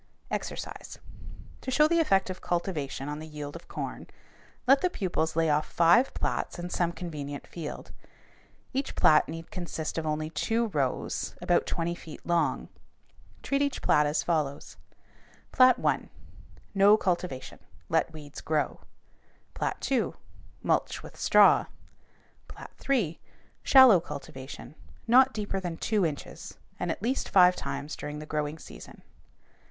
=EXERCISE= To show the effect of cultivation on the yield of corn, let the pupils lay off five plats in some convenient field. Each plat need consist of only two rows about twenty feet long. Treat each plat as follows: Plat 1. No cultivation: let weeds grow. Plat 2. Mulch with straw. Plat 3. Shallow cultivation: not deeper than two inches and at least five times during the growing season.